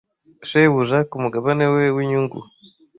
shebuja ku mugabane we w'inyungu